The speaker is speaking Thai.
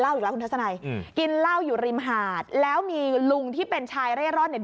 อีกแล้วคุณทัศนัยอืมกินเหล้าอยู่ริมหาดแล้วมีลุงที่เป็นชายเร่ร่อนเนี่ย